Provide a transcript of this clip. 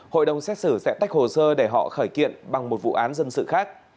hội đồng xét xử sẽ tách hồ sơ để họ khởi kiện bằng một vụ án dân sự khác